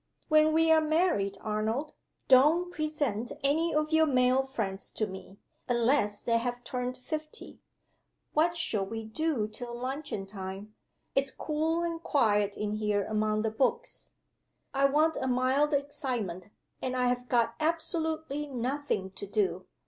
When we are married, Arnold, don't present any of your male friends to me, unless they have turned fifty. What shall we do till luncheon time? It's cool and quiet in here among the books. I want a mild excitement and I have got absolutely nothing to do.